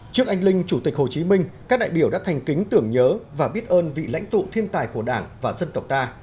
trước anh linh chủ tịch hồ chí minh các đại biểu đã thành kính tưởng nhớ và biết ơn vị lãnh tụ thiên tài của đảng và dân tộc ta